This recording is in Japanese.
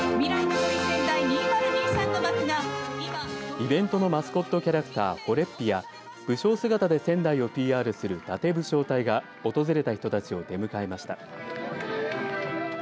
イベントのマスコットキャラクターフォレッピや武将姿で仙台をＰＲする伊達武将隊が訪れた人たちを出迎えました。